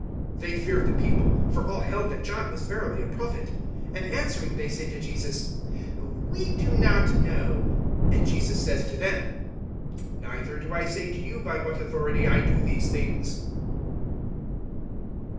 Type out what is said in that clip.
They feared the people; for all held that John was verily a prophet. (33)And answering they say to Jesus: We do not know. And Jesus says to them: Neither do I say to you, by what authority I do these things.